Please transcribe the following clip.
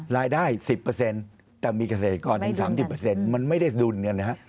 รายได้๑๐แต่มีเกษตรกรถึง๓๐มันไม่ได้ดุลกันนะครับ